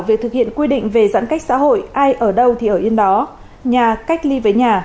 về thực hiện quy định về giãn cách xã hội ai ở đâu thì ở yên đó nhà cách ly với nhà